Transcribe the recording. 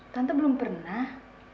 tante belum pernah